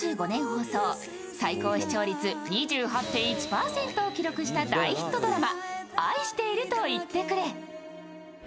放送最高視聴率２８．１％を記録した大ヒットドラマ「愛していると言ってくれ」。